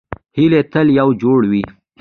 هیلۍ تل یو جوړ وي